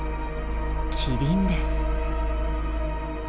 キリンです。